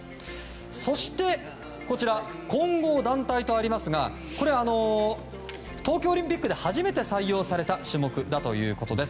そして、混合団体とありますが東京オリンピックで初めて採用された種目だということです。